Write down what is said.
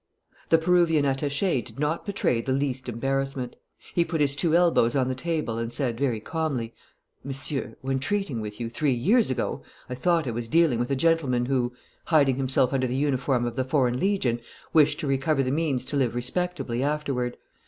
The Pervian attaché did not betray the least embarrassment. He put his two elbows on the table and said, very calmly: "Monsieur, when treating with you, three years ago, I thought I was dealing with a gentleman who, hiding himself under the uniform of the Foreign Legion, wished to recover the means to live respectably afterward.